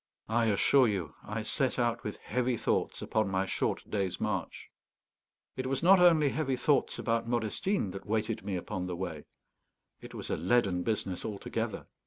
I assure you I set out with heavy thoughts upon my short day's march. It was not only heavy thoughts about Modestine that weighted me upon the way; it was a leaden business altogether.